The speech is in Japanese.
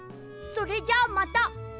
それじゃあまた！